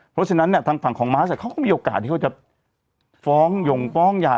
เพราะฉะนั้นเนี่ยทางฝั่งของมาร์ชเขาก็มีโอกาสที่เขาจะฟ้องหย่งฟ้องยา